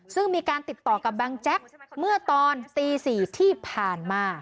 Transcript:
ซึ่งมีการติดต่อกับบังแจ๊กเมื่อตอนตี๔ที่ผ่านมา